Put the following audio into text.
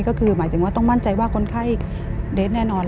ก็คือหมายถึงว่าต้องมั่นใจว่าคนไข้เดทแน่นอน